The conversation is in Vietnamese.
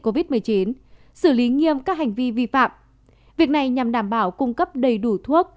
covid một mươi chín xử lý nghiêm các hành vi vi phạm việc này nhằm đảm bảo cung cấp đầy đủ thuốc